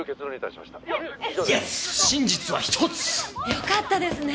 よかったですね！